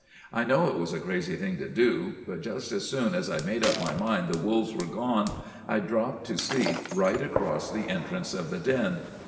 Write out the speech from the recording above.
I know it was a crazy thing to do; but just as soon as I'd made up my mind the wolves were gone, I dropped to sleep right across the entrance of the den.